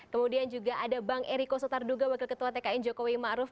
kemudian juga ada bang eriko sotarduga wakil ketua tkn jokowi ma'ruf